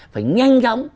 phải nhanh chóng